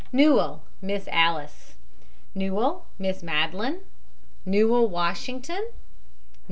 NEWELL, MISS ALICE. NEWELL, MISS MADELINE. NEWELL, WASHINGTON.